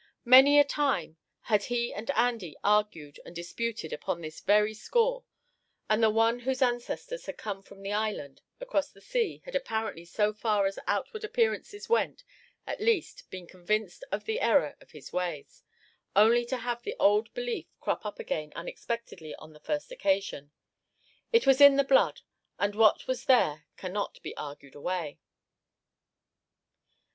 Many a time had he and Andy argued and disputed upon this very score, and the one whose ancestors had come from the island across the sea had apparently so far as outward appearances went, at least, been convinced of the error of his ways, only to have the old belief crop up again unexpectedly on the first occasion. It was in the blood; and what is there cannot be argued away.